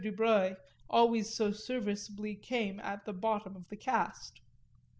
Dubreuil always so serviceably came in at the bottom of the cast.